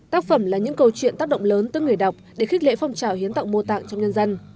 tác phẩm là những câu chuyện tác động lớn tới người đọc để khích lệ phong trào hiến tặng mô tặng trong nhân dân